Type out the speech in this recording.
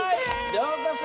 ようこそ！